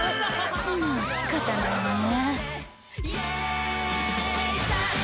もうしかたないわね。